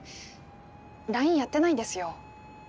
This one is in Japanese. ＬＩＮＥやってないんですよ。